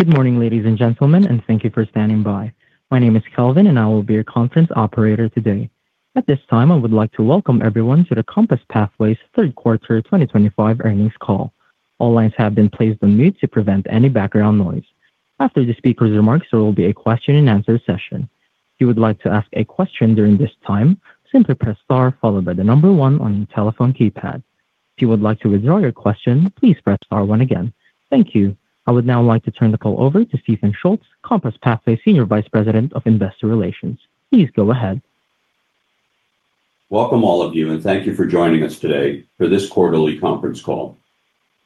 Good morning, ladies and gentlemen, and thank you for standing by. My name is Kelvin, and I will be your conference operator today. At this time, I would like to welcome everyone to the COMPASS Pathways third quarter 2025 earnings call. All lines have been placed on mute to prevent any background noise. After the speaker's remarks, there will be a question-and-answer session. If you would like to ask a question during this time, simply press star followed by the number one on your telephone keypad. If you would like to withdraw your question, please press star one again. Thank you. I would now like to turn the call over to Steve Schultz, COMPASS Pathways Senior Vice President of Investor Relations. Please go ahead. Welcome all of you, and thank you for joining us today for this quarterly conference call.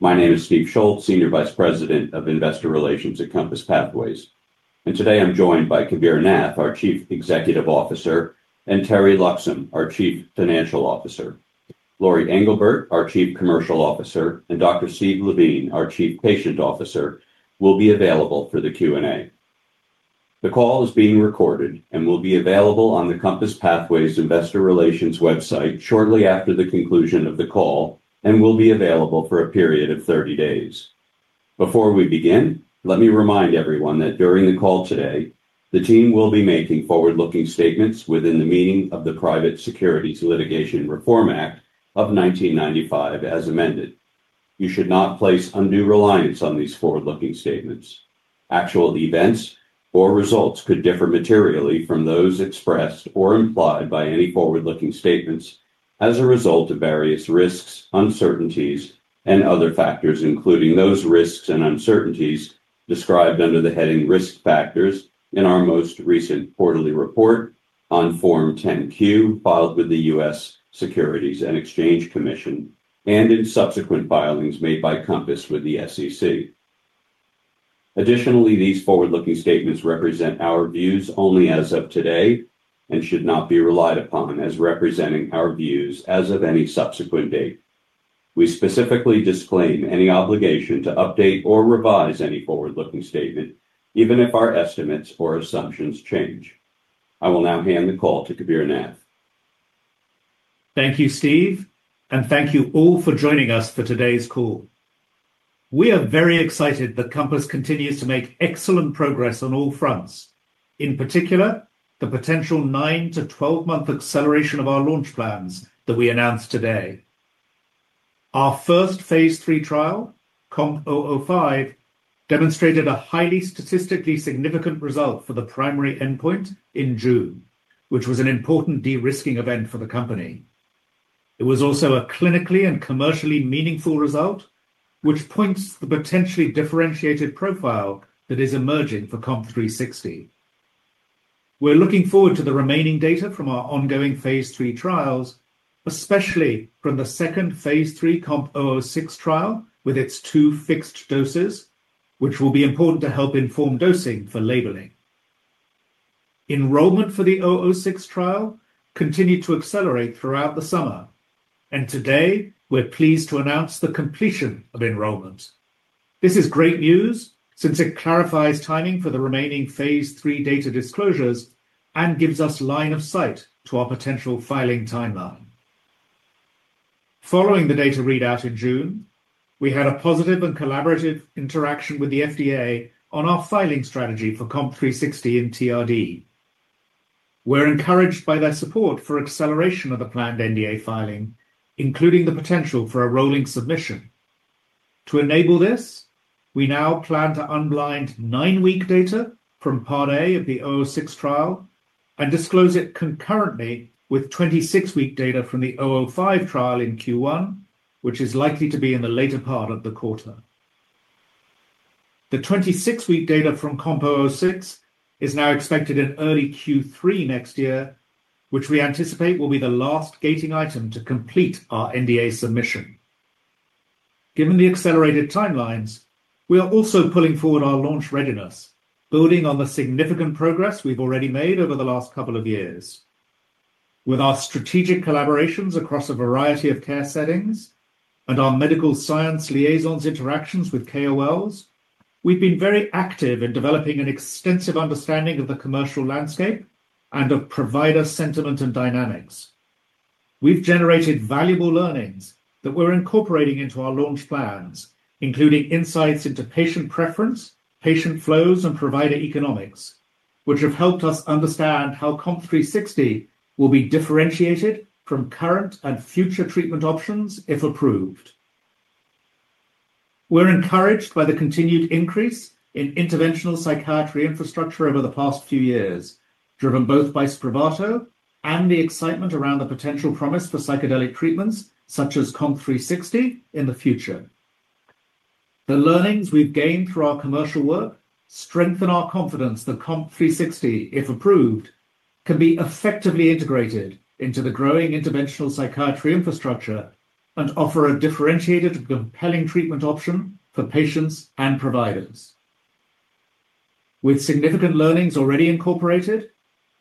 My name is Stephen Schultz, Senior Vice President of Investor Relations at COMPASS Pathways. Today I am joined by Kabir Nath, our Chief Executive Officer, and Teri Loxam, our Chief Financial Officer. Lori Englebert, our Chief Commercial Officer, and Dr. Steve Levine, our Chief Patient Officer, will be available for the Q&A. The call is being recorded and will be available on the COMPASS Pathways Investor Relations website shortly after the conclusion of the call and will be available for a period of 30 days. Before we begin, let me remind everyone that during the call today, the team will be making forward-looking statements within the meaning of the private Securities Litigation Reform Act of 1995 as amended. You should not place undue reliance on these forward-looking statements. Actual events or results could differ materially from those expressed or implied by any forward-looking statements as a result of various risks, uncertainties, and other factors, including those risks and uncertainties described under the heading Risk Factors in our most recent quarterly report on Form 10-Q filed with the U.S. Securities and Exchange Commission and in subsequent filings made by COMPASS with the SEC. Additionally, these forward-looking statements represent our views only as of today and should not be relied upon as representing our views as of any subsequent date. We specifically disclaim any obligation to update or revise any forward-looking statement, even if our estimates or assumptions change. I will now hand the call to Kabir Nath. Thank you, Steve, and thank you all for joining us for today's call. We are very excited that COMPASS continues to make excellent progress on all fronts, in particular the potential 9-12 month acceleration of our launch plans that we announced today. Our first phase 3 trial, COMP005, demonstrated a highly statistically significant result for the primary endpoint in June, which was an important de-risking event for the company. It was also a clinically and commercially meaningful result, which points to the potentially differentiated profile that is emerging for COMP360. We are looking forward to the remaining data from our ongoing phase 3 trials, especially from the second phase 3, COMP006 trial with its two fixed doses, which will be important to help inform dosing for labeling. Enrollment for the 006 trial continued to accelerate throughout the summer, and today we are pleased to announce the completion of enrollment. This is great news since it clarifies timing for the remaining phase 3 data disclosures and gives us line of sight to our potential filing timeline. Following the data readout in June, we had a positive and collaborative interaction with the FDA on our filing strategy for COMP360 in TRD. We are encouraged by their support for acceleration of the planned NDA filing, including the potential for a rolling submission. To enable this, we now plan to unblind nine-week data from Part A of the 006 trial and disclose it concurrently with 26-week data from the 005 trial in Q1, which is likely to be in the later part of the quarter. The 26-week data from COMP006 is now expected in early Q3 next year, which we anticipate will be the last gating item to complete our NDA submission. Given the accelerated timelines, we are also pulling forward our launch readiness, building on the significant progress we have already made over the last couple of years. With our strategic collaborations across a variety of care settings and our medical science liaisons' interactions with KOLs, we have been very active in developing an extensive understanding of the commercial landscape and of provider sentiment and dynamics. We have generated valuable learnings that we are incorporating into our launch plans, including insights into patient preference, patient flows, and provider economics, which have helped us understand how COMP360 will be differentiated from current and future treatment options if approved. We are encouraged by the continued increase in interventional psychiatry infrastructure over the past few years, driven both by Spravato and the excitement around the potential promise for psychedelic treatments such as COMP360 in the future. The learnings we have gained through our commercial work strengthen our confidence that COMP360, if approved, can be effectively integrated into the growing interventional psychiatry infrastructure and offer a differentiated and compelling treatment option for patients and providers. With significant learnings already incorporated,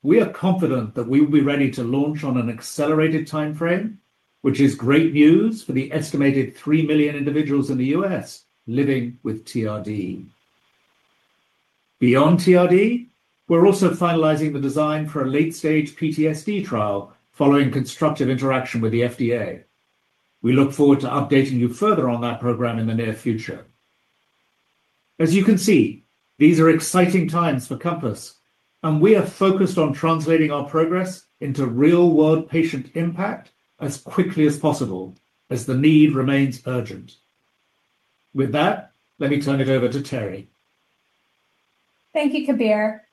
we are confident that we will be ready to launch on an accelerated timeframe, which is great news for the estimated 3 million individuals in the U.S. living with TRD. Beyond TRD, we're also finalizing the design for a late-stage PTSD trial following constructive interaction with the FDA. We look forward to updating you further on that program in the near future. As you can see, these are exciting times for COMPASS, and we are focused on translating our progress into real-world patient impact as quickly as possible as the need remains urgent. With that, let me turn it over to Teri. Thank you, Kabir.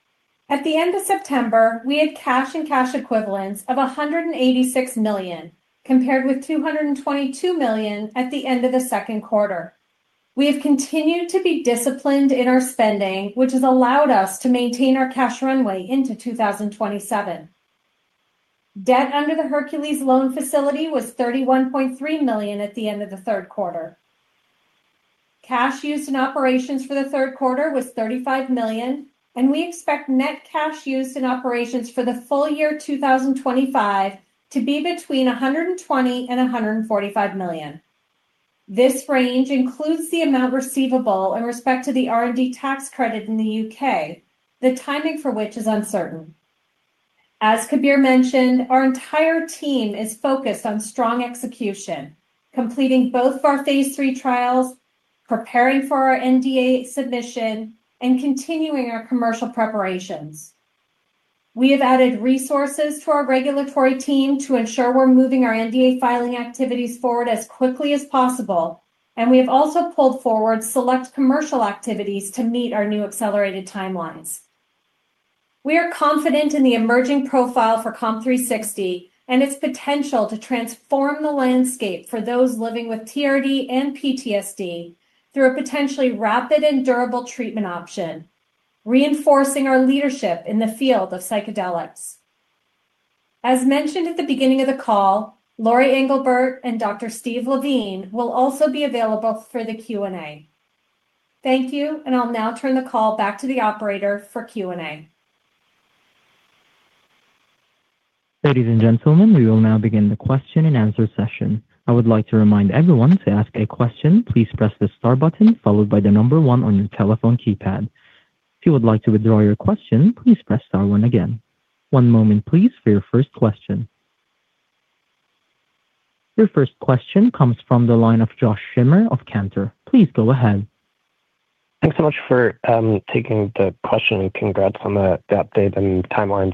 At the end of September, we had cash and cash equivalents of $186 million, compared with $222 million at the end of the second quarter. We have continued to be disciplined in our spending, which has allowed us to maintain our cash runway into 2027. Debt under the Hercules loan facility was $31.3 million at the end of the third quarter. Cash used in operations for the third quarter was $35 million, and we expect net cash used in operations for the full year 2025 to be between $120 million and $145 million. This range includes the amount receivable in respect to the R&D tax credit in the U.K., the timing for which is uncertain. As Kabir mentioned, our entire team is focused on strong execution, completing both of our phase 3 trials, preparing for our NDA submission, and continuing our commercial preparations. We have added resources to our regulatory team to ensure we're moving our NDA filing activities forward as quickly as possible, and we have also pulled forward select commercial activities to meet our new accelerated timelines. We are confident in the emerging profile for COMP360 and its potential to transform the landscape for those living with TRD and PTSD through a potentially rapid and durable treatment option, reinforcing our leadership in the field of psychedelics. As mentioned at the beginning of the call, Lori Englebert and Dr. Steve Levine will also be available for the Q&A. Thank you, and I'll now turn the call back to the operator for Q&A. Ladies and gentlemen, we will now begin the question-and-answer session. I would like to remind everyone to ask a question. Please press the star button followed by the number one on your telephone keypad. If you would like to withdraw your question, please press star one again. One moment, please, for your first question. Your first question comes from the line of Josh Schimmer of Cantor. Please go ahead. Thanks so much for taking the question and congrats on the update and timelines.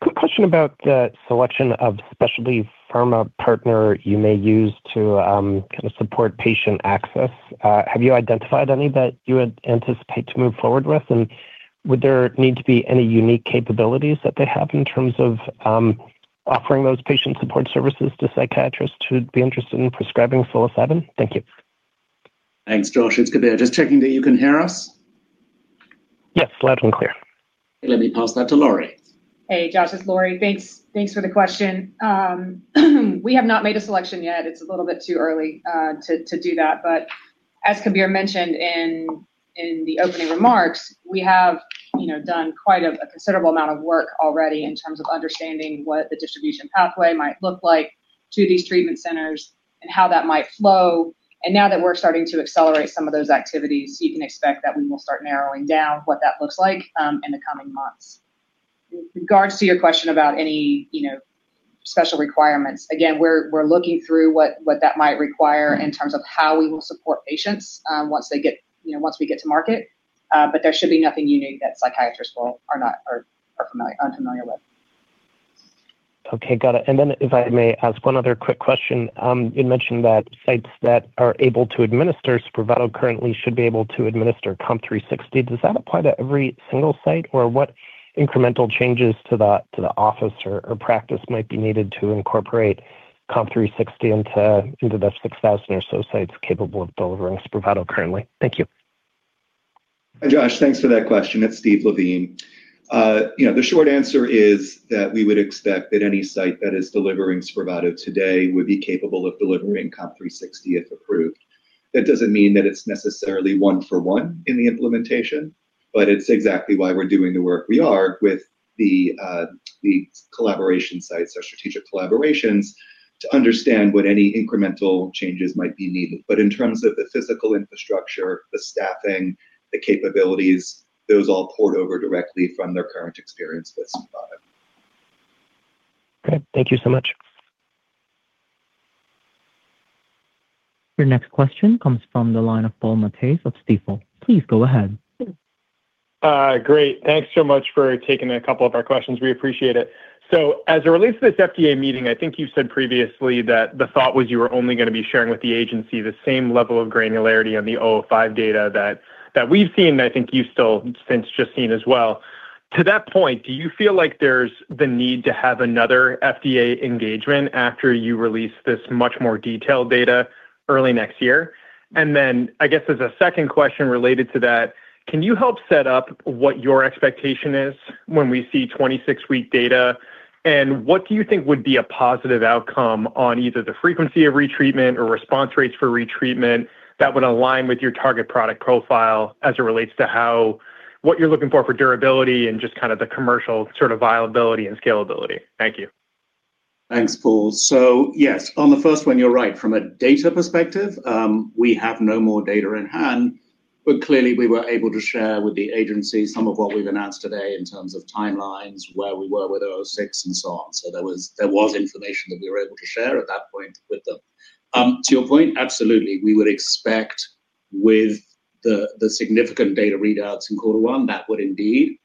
Quick question about the selection of specialty pharma partner you may use to kind of support patient access. Have you identified any that you would anticipate to move forward with? Would there need to be any unique capabilities that they have in terms of offering those patient support services to psychiatrists who'd be interested in prescribing psilocybin? Thank you. Thanks, Josh. It's Kabir. Just checking that you can hear us. Yes, loud and clear. Let me pass that to Lori. Hey, Josh. It's Lori. Thanks for the question. We have not made a selection yet. It's a little bit too early to do that. As Kabir mentioned in the opening remarks, we have done quite a considerable amount of work already in terms of understanding what the distribution pathway might look like to these treatment centers and how that might flow. Now that we're starting to accelerate some of those activities, you can expect that we will start narrowing down what that looks like in the coming months. In regards to your question about any special requirements, again, we're looking through what that might require in terms of how we will support patients once we get to market. There should be nothing unique that psychiatrists are unfamiliar with. Okay, got it. If I may ask one other quick question, you mentioned that sites that are able to administer Spravato currently should be able to administer COMP360. Does that apply to every single site, or what incremental changes to the office or practice might be needed to incorporate COMP360 into the 6,000 or so sites capable of delivering Spravato currently? Thank you. Josh, thanks for that question. It's Steve Levine. The short answer is that we would expect that any site that is delivering Spravato today would be capable of delivering COMP360 if approved. That doesn't mean that it's necessarily one-for-one in the implementation, but it's exactly why we're doing the work we are with the collaboration sites, our strategic collaborations, to understand what any incremental changes might be needed. In terms of the physical infrastructure, the staffing, the capabilities, those all port over directly from their current experience with Spravato. Okay, thank you so much. Your next question comes from the line of Paul Matteis of Stifel. Please go ahead. Great. Thanks so much for taking a couple of our questions. We appreciate it. As it relates to this FDA meeting, I think you said previously that the thought was you were only going to be sharing with the agency the same level of granularity on the 005 data that we've seen, and I think you've still since just seen as well. To that point, do you feel like there's the need to have another FDA engagement after you release this much more detailed data early next year? I guess as a second question related to that, can you help set up what your expectation is when we see 26-week data? What do you think would be a positive outcome on either the frequency of retreatment or response rates for retreatment that would align with your target product profile as it relates to what you're looking for for durability and just kind of the commercial sort of viability and scalability? Thank you. Thanks, Paul. Yes, on the first one, you're right. From a data perspective, we have no more data in hand. Clearly, we were able to share with the agency some of what we've announced today in terms of timelines, where we were with 006, and so on. There was information that we were able to share at that point with them. To your point, absolutely, we would expect with the significant data readouts in quarter one, that would indeed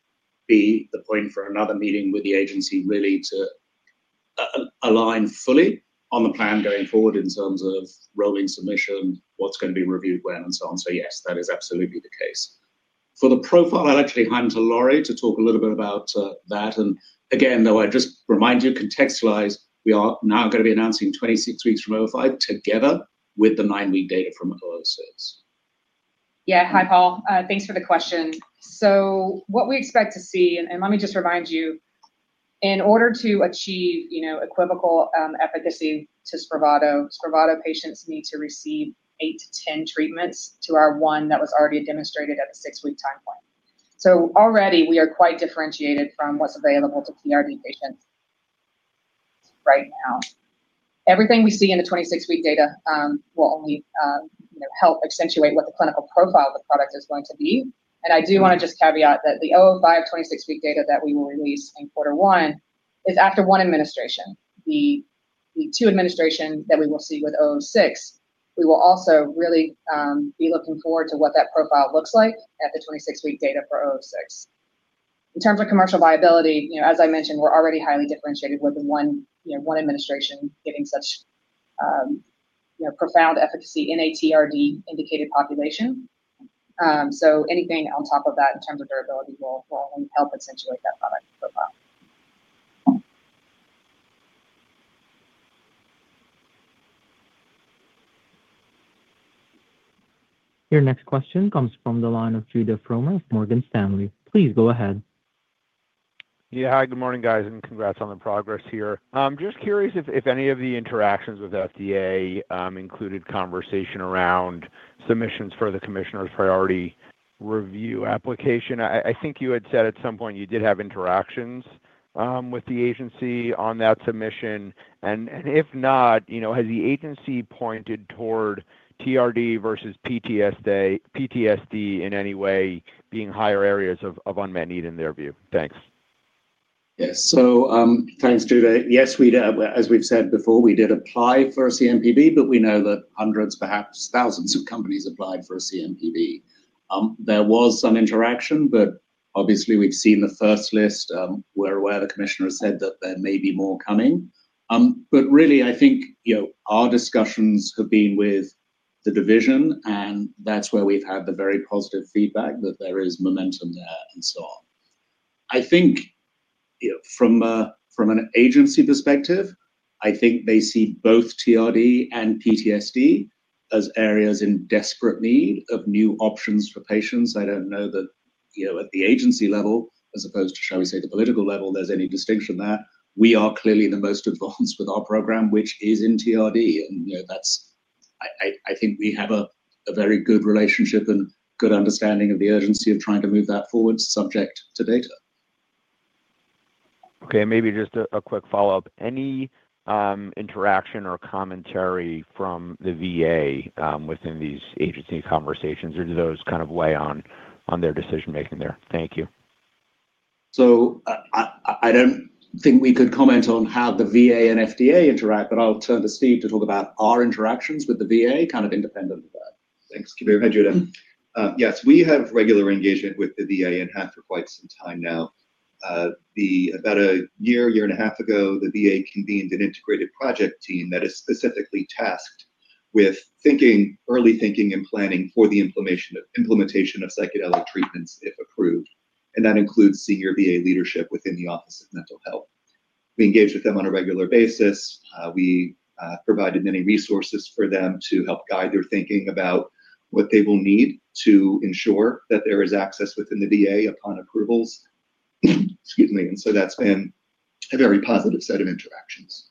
be the point for another meeting with the agency really to align fully on the plan going forward in terms of rolling submission, what's going to be reviewed when, and so on. Yes, that is absolutely the case. For the profile, I'll actually hand to Lori to talk a little bit about that. Again, though, I just remind you, contextualize, we are now going to be announcing 26 weeks from 005 together with the nine-week data from 006. Yeah, hi, Paul. Thanks for the question. What we expect to see, and let me just remind you. In order to achieve equivocal efficacy to Spravato, Spravato patients need to receive 8-10 treatments to our one that was already demonstrated at the six-week time point. Already, we are quite differentiated from what's available to TRD patients right now. Everything we see in the 26-week data will only help accentuate what the clinical profile of the product is going to be. I do want to just caveat that the 005 26-week data that we will release in quarter one is after one administration. The two administrations that we will see with 006, we will also really be looking forward to what that profile looks like at the 26-week data for 006. In terms of commercial viability, as I mentioned, we're already highly differentiated with one administration getting such profound efficacy in a TRD-indicated population. Anything on top of that in terms of durability will only help accentuate that product profile. Your next question comes from the line of Judah Frommer of Morgan Stanley. Please go ahead. Yeah, hi, good morning, guys, and congrats on the progress here. I'm just curious if any of the interactions with the FDA included conversation around submissions for the Commissioner's Priority Review application. I think you had said at some point you did have interactions with the agency on that submission. If not, has the agency pointed toward TRD versus PTSD in any way being higher areas of unmet need in their view? Thanks. Yes. Thanks, Judah. Yes, as we've said before, we did apply for a CMPB, but we know that hundreds, perhaps thousands of companies applied for a CMPB. There was some interaction, but obviously, we've seen the first list. We're aware the Commissioner has said that there may be more coming. Really, I think our discussions have been with the division, and that's where we've had the very positive feedback that there is momentum there and so on. I think from an agency perspective, I think they see both TRD and PTSD as areas in desperate need of new options for patients. I don't know that at the agency level, as opposed to, shall we say, the political level, there's any distinction there. We are clearly the most advanced with our program, which is in TRD. I think we have a very good relationship and good understanding of the urgency of trying to move that forward subject to data. Okay, and maybe just a quick follow-up. Any interaction or commentary from the VA within these agency conversations, or do those kind of weigh on their decision-making there? Thank you. I don't think we could comment on how the VA and FDA interact, but I'll turn to Steve to talk about our interactions with the VA, kind of independent of that. Thanks, Kabir. Hi, Judith. Yes, we have regular engagement with the VA and have for quite some time now. About a year, year and a half ago, the VA convened an integrated project team that is specifically tasked with thinking, early thinking, and planning for the implementation of psychedelic treatments if approved. That includes senior VA leadership within the Office of Mental Health. We engage with them on a regular basis. We provided many resources for them to help guide their thinking about what they will need to ensure that there is access within the VA upon approvals. Excuse me. That has been a very positive set of interactions.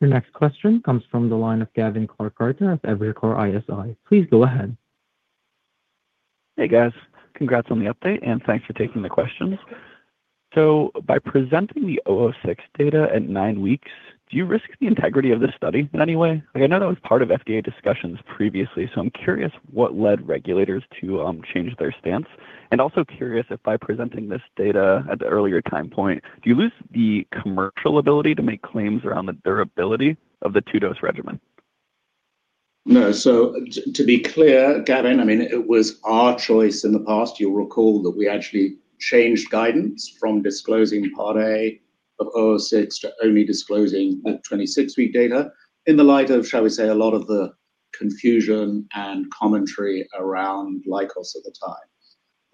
Your next question comes from the line of Gavin Carter of Everycore ISI. Please go ahead. Hey, guys. Congrats on the update, and thanks for taking the questions. By presenting the 006 data at nine weeks, do you risk the integrity of this study in any way? I know that was part of FDA discussions previously, so I'm curious what led regulators to change their stance. I'm also curious if by presenting this data at the earlier time point, do you lose the commercial ability to make claims around the durability of the two-dose regimen? No. To be clear, Gavin, I mean, it was our choice in the past. You'll recall that we actually changed guidance from disclosing Part A of 006 to only disclosing the 26-week data in the light of, shall we say, a lot of the confusion and commentary around Lykos at the time.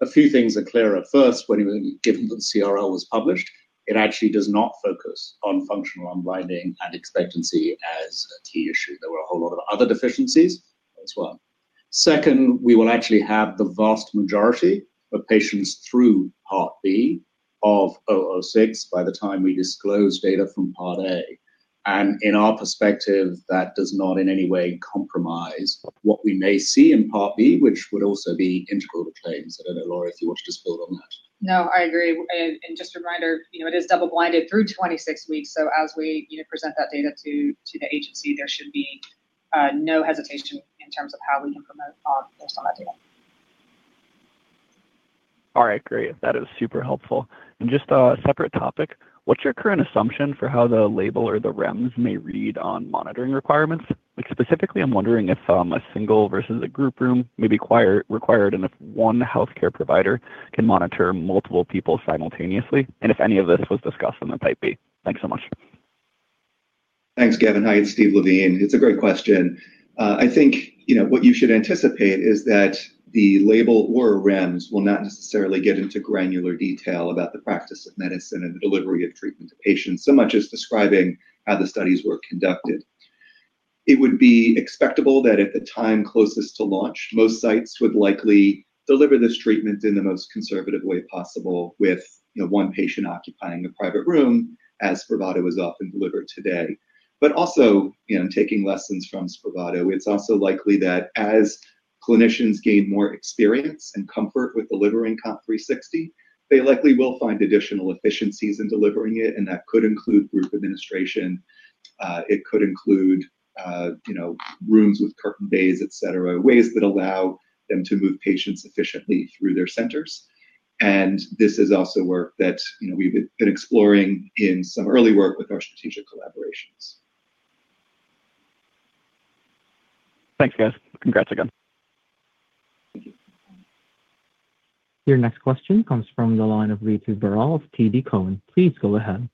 A few things are clearer. First, given that the CRL was published, it actually does not focus on functional unwinding and expectancy as a key issue. There were a whole lot of other deficiencies. That's one. Second, we will actually have the vast majority of patients through Part B of 006 by the time we disclose data from Part A. In our perspective, that does not in any way compromise what we may see in Part B, which would also be integral to claims. I don't know, Lori, if you want to just build on that. No, I agree. Just a reminder, it is double-blinded through 26 weeks. As we present that data to the agency, there should be no hesitation in terms of how we can promote based on that data. All right, great. That is super helpful. Just a separate topic, what's your current assumption for how the label or the REMS may read on monitoring requirements? Specifically, I'm wondering if a single versus a group room may be required and if one healthcare provider can monitor multiple people simultaneously and if any of this was discussed in the type B. Thanks so much. Thanks, Gavin. Hi, it's Steve Levine. It's a great question. I think what you should anticipate is that the label or REMS will not necessarily get into granular detail about the practice of medicine and the delivery of treatment to patients so much as describing how the studies were conducted. It would be expectable that at the time closest to launch, most sites would likely deliver this treatment in the most conservative way possible with one patient occupying a private room as Spravato is often delivered today. Also, taking lessons from Spravato, it's also likely that as clinicians gain more experience and comfort with delivering COMP360, they likely will find additional efficiencies in delivering it, and that could include group administration. It could include rooms with curtain bays, etc., ways that allow them to move patients efficiently through their centers. This is also work that we've been exploring in some early work with our strategic collaborations. Thanks, guys. Congrats again. Your next question comes from the line of Ritu Burrell of TD Cohen. Please go ahead.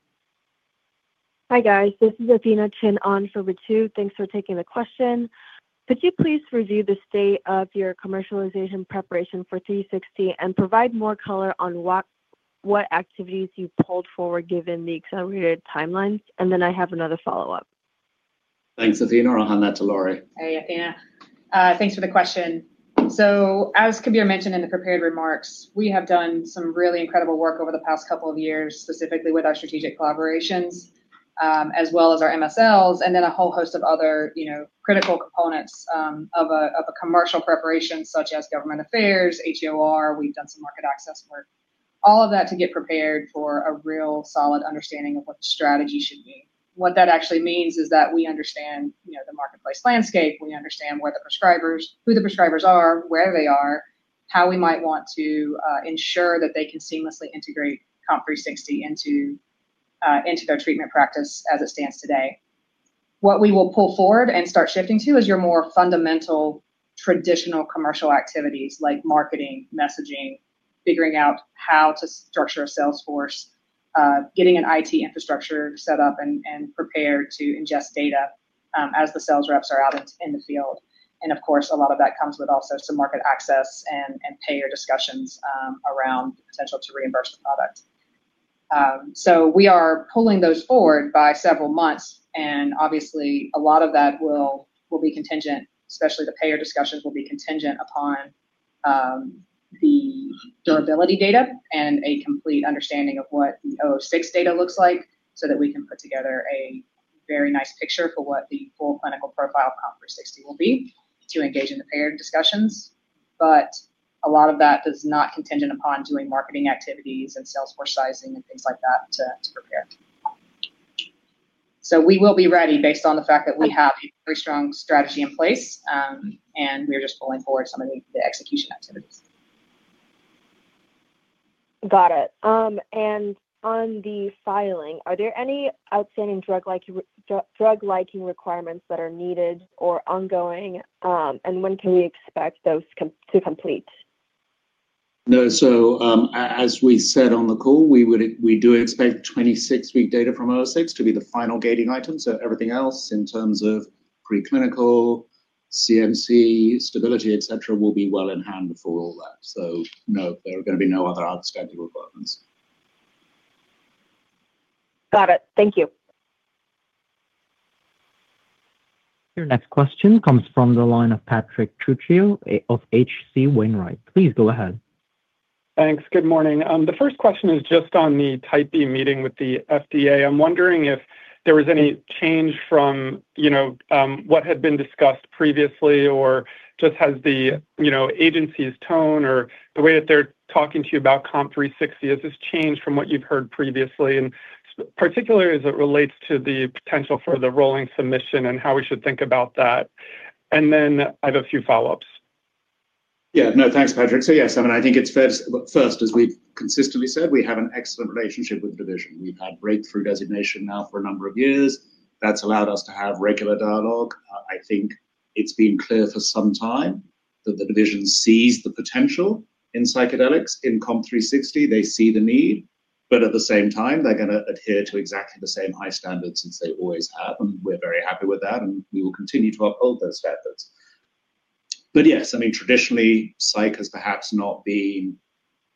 Hi, guys. This is Athena Chin On for Ritu. Thanks for taking the question. Could you please review the state of your commercialization preparation for 360 and provide more color on what activities you pulled forward given the accelerated timelines? I have another follow-up. Thanks, Athena. I'll hand that to Lori. Hey, Athena. Thanks for the question. As Kabir mentioned in the prepared remarks, we have done some really incredible work over the past couple of years, specifically with our strategic collaborations, as well as our MSLs, and then a whole host of other critical components of a commercial preparation such as government affairs, HEOR. We have done some market access work. All of that to get prepared for a real solid understanding of what the strategy should be. What that actually means is that we understand the marketplace landscape. We understand who the prescribers are, where they are, how we might want to ensure that they can seamlessly integrate COMP360 into their treatment practice as it stands today. What we will pull forward and start shifting to is your more fundamental traditional commercial activities like marketing, messaging, figuring out how to structure a sales force, getting an IT infrastructure set up and prepared to ingest data as the sales reps are out in the field. Of course, a lot of that comes with also some market access and payer discussions around the potential to reimburse the product. We are pulling those forward by several months. Obviously, a lot of that will be contingent, especially the payer discussions will be contingent upon the durability data and a complete understanding of what the 006 data looks like so that we can put together a very nice picture for what the full clinical profile of COMP360 will be to engage in the payer discussions. A lot of that is not contingent upon doing marketing activities and sales force sizing and things like that to prepare. We will be ready based on the fact that we have a very strong strategy in place, and we are just pulling forward some of the execution activities. Got it. On the filing, are there any outstanding drug liking requirements that are needed or ongoing, and when can we expect those to complete? No. As we said on the call, we do expect 26-week data from 006 to be the final gating item. Everything else in terms of preclinical, CMC, stability, etc., will be well in hand before all that. No, there are going to be no other outstanding requirements. Got it. Thank you. Your next question comes from the line of Patrick Truchchio of H.C. Wainwright. Please go ahead. Thanks. Good morning. The first question is just on the type B meeting with the FDA. I'm wondering if there was any change from what had been discussed previously or just has the agency's tone or the way that they're talking to you about COMP360, has this changed from what you've heard previously? Particularly as it relates to the potential for the rolling submission and how we should think about that. I have a few follow-ups. Yeah. No, thanks, Patrick. Yes, I mean, I think it's first, as we've consistently said, we have an excellent relationship with the division. We've had Breakthrough Therapy designation now for a number of years. That's allowed us to have regular dialogue. I think it's been clear for some time that the division sees the potential in psychedelics. In COMP360, they see the need, but at the same time, they're going to adhere to exactly the same high standards as they always have. We're very happy with that, and we will continue to uphold those standards. Yes, I mean, traditionally, psych has perhaps not been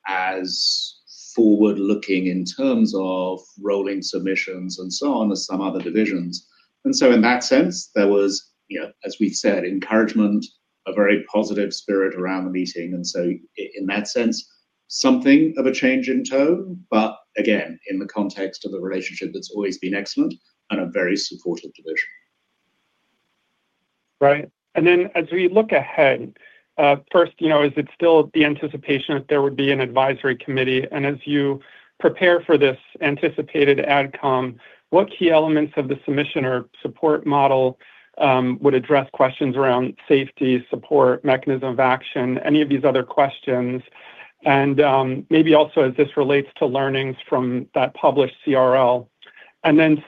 as forward-looking in terms of rolling submissions and so on as some other divisions. In that sense, there was, as we've said, encouragement, a very positive spirit around the meeting. In that sense, something of a change in tone, again, in the context of the relationship that's always been excellent and a very supportive division. Right. As we look ahead, first, is it still the anticipation that there would be an advisory committee? As you prepare for this anticipated adcom, what key elements of the submission or support model would address questions around safety, support, mechanism of action, any of these other questions? Maybe also as this relates to learnings from that published CRL.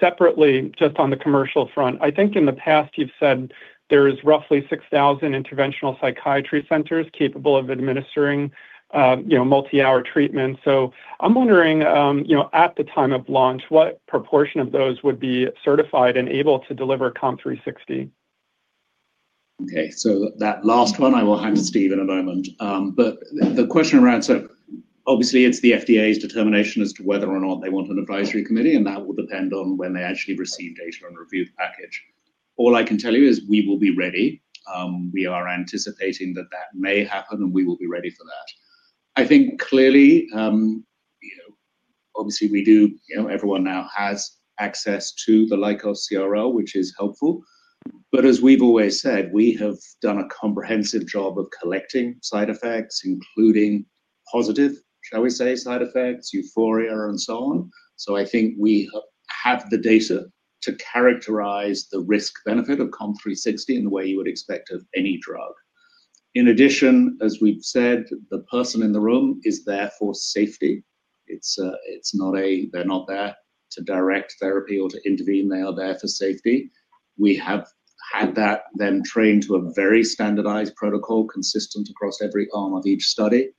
Separately, just on the commercial front, I think in the past you've said there is roughly 6,000 interventional psychiatry centers capable of administering multi-hour treatments. I'm wondering, at the time of launch, what proportion of those would be certified and able to deliver COMP360? Okay. That last one, I will hand to Steve in a moment. The question around, obviously, it's the FDA's determination as to whether or not they want an advisory committee, and that will depend on when they actually receive data and review the package. All I can tell you is we will be ready. We are anticipating that that may happen, and we will be ready for that. I think clearly. Obviously, everyone now has access to the Lykos CRL, which is helpful. As we've always said, we have done a comprehensive job of collecting side effects, including, positive, shall we say, side effects, euphoria, and so on. I think we have the data to characterize the risk-benefit of COMP360 in the way you would expect of any drug. In addition, as we've said, the person in the room is there for safety. They're not there to direct therapy or to intervene. They are there for safety. We have had that then trained to a very standardized protocol consistent across every arm of each study.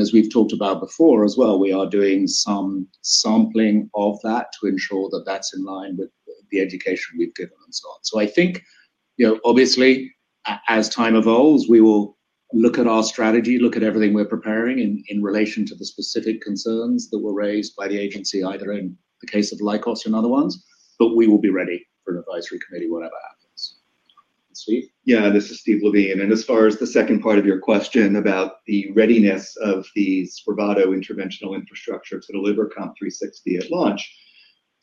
As we've talked about before as well, we are doing some sampling of that to ensure that that's in line with the education we've given and so on. I think, obviously, as time evolves, we will look at our strategy, look at everything we're preparing in relation to the specific concerns that were raised by the agency, either in the case of Lykos or other ones, but we will be ready for an advisory committee whenever that happens. Steve? Yeah, this is Steve Levine. As far as the second part of your question about the readiness of the Spravato interventional infrastructure to deliver COMP360 at launch,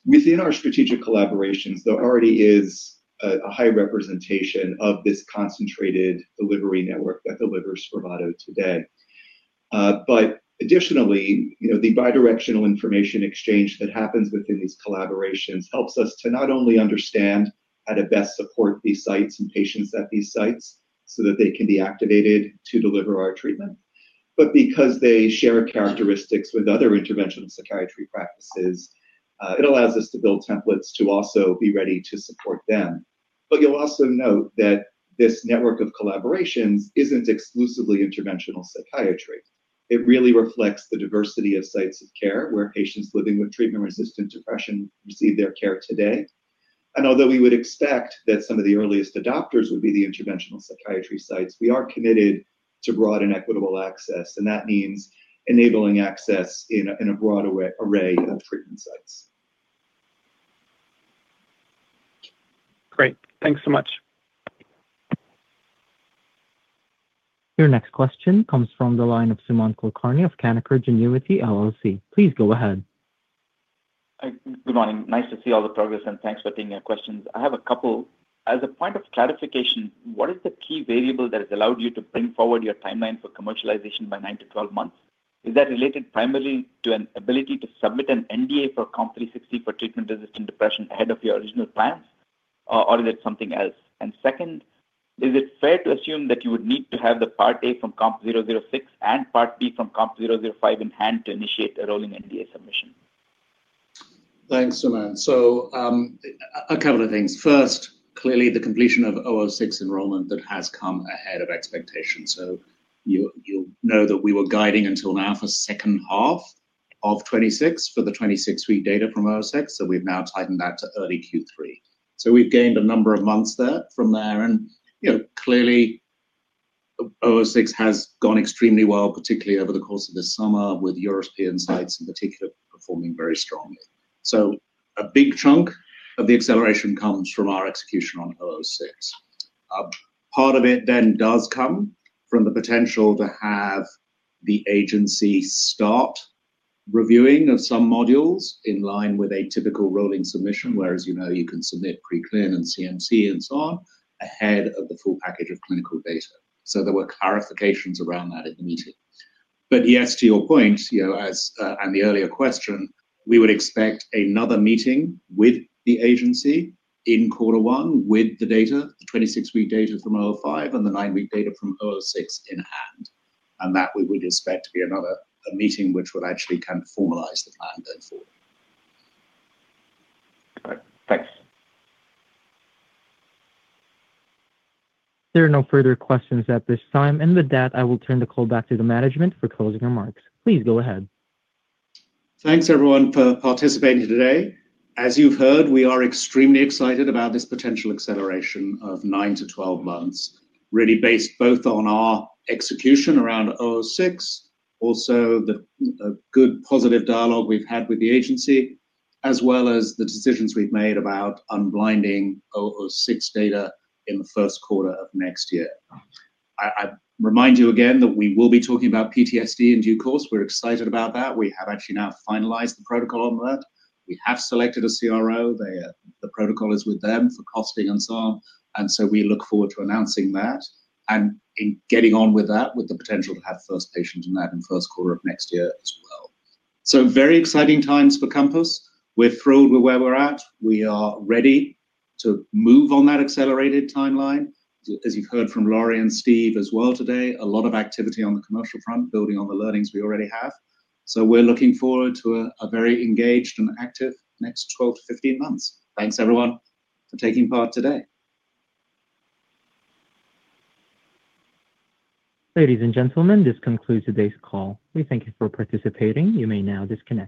within our strategic collaborations, there already is a high representation of this concentrated delivery network that delivers Spravato today. Additionally, the bidirectional information exchange that happens within these collaborations helps us to not only understand how to best support these sites and patients at these sites so that they can be activated to deliver our treatment, but because they share characteristics with other interventional psychiatry practices, it allows us to build templates to also be ready to support them. You'll also note that this network of collaborations isn't exclusively interventional psychiatry. It really reflects the diversity of sites of care where patients living with treatment-resistant depression receive their care today. Although we would expect that some of the earliest adopters would be the interventional psychiatry sites, we are committed to broad and equitable access, and that means enabling access in a broad array of treatment sites. Great. Thanks so much. Your next question comes from the line of Sumant Kulkarni of Canaccord Genuity. Please go ahead. Good morning. Nice to see all the progress, and thanks for taking our questions. I have a couple. As a point of clarification, what is the key variable that has allowed you to bring forward your timeline for commercialization by 9-12 months? Is that related primarily to an ability to submit an NDA for COMP360 for treatment-resistant depression ahead of your original plans, or is it something else? Second, is it fair to assume that you would need to have the Part A from COMP006 and Part B from COMP005 in hand to initiate a rolling NDA submission? Thanks, Simon. A couple of things. First, clearly the completion of 006 enrollment has come ahead of expectations. You'll know that we were guiding until now for the second half of 2026 for the 26-week data from 006. We've now tightened that to early Q3. We've gained a number of months from there. Clearly, 006 has gone extremely well, particularly over the course of this summer with European sites in particular performing very strongly. A big chunk of the acceleration comes from our execution on 006. Part of it then does come from the potential to have the agency start reviewing some modules in line with a typical rolling submission, where you can submit pre-clearance, CMC, and so on ahead of the full package of clinical data. There were clarifications around that in the meeting. Yes, to your point and the earlier question, we would expect another meeting with the agency in quarter one with the data, the 26-week data from 005 and the 9-week data from 006 in hand. We would expect that to be another meeting which would actually kind of formalize the plan going forward. Thanks. There are no further questions at this time. In that case, I will turn the call back to the management for closing remarks. Please go ahead. Thanks, everyone, for participating today. As you've heard, we are extremely excited about this potential acceleration of 9-12 months, really based both on our execution around 006, also the good positive dialogue we've had with the agency, as well as the decisions we've made about unblinding 006 data in the first quarter of next year. I remind you again that we will be talking about PTSD in due course. We're excited about that. We have actually now finalized the protocol on that. We have selected a CRO. The protocol is with them for costing and so on. We look forward to announcing that and getting on with that with the potential to have first patients in that in the first quarter of next year as well. Very exciting times for COMPASS. We're thrilled with where we're at. We are ready to move on that accelerated timeline. As you've heard from Lori and Steve as well today, a lot of activity on the commercial front, building on the learnings we already have. We're looking forward to a very engaged and active next 12-15 months. Thanks, everyone, for taking part today. Ladies and gentlemen, this concludes today's call. We thank you for participating. You may now disconnect.